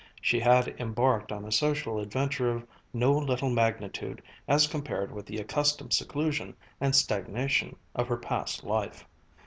She had embarked on a social adventure of no little magnitude as compared with the accustomed seclusion and stagnation of her past life.